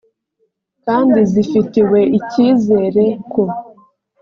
kandi zifitiwe icyizere ko